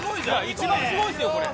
一番すごいですよこれ。